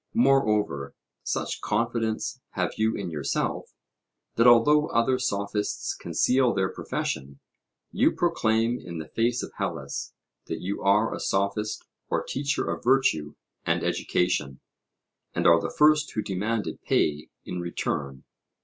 Moreover such confidence have you in yourself, that although other Sophists conceal their profession, you proclaim in the face of Hellas that you are a Sophist or teacher of virtue and education, and are the first who demanded pay in return.